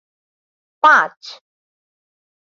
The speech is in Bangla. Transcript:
পাঁচ